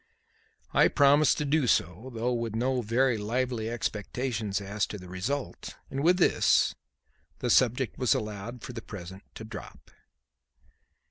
I promised to do so, though with no very lively expectations as to the result, and with this, the subject was allowed, for the present, to drop.